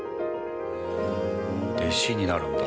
弟子になるんだ。